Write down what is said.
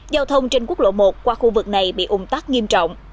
giao thông trên quốc lộ một qua khu vực này bị ủng tắc nghiêm trọng